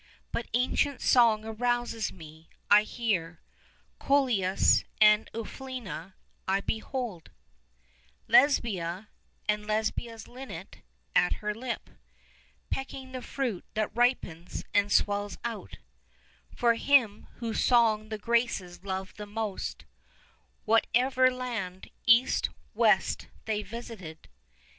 But ancient song arouses me: I hear Coelius and Aufilena; I behold Lesbia, and Lesbia's linnet at her lip 15 Pecking the fruit that ripens and swells out For him whose song the Graces loved the most, Whatever land, east, west, they visited.